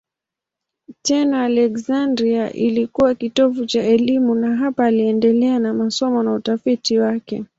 Tena Aleksandria ilikuwa kitovu cha elimu na hapa aliendelea na masomo na utafiti wake.